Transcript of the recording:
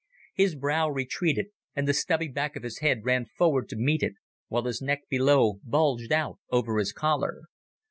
His brow retreated and the stubby back of his head ran forward to meet it, while his neck below bulged out over his collar.